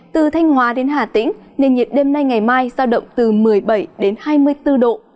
từ thanh hóa đến hà tĩnh nền nhiệt đêm nay ngày mai sao động từ một mươi bảy đến hai mươi bốn độ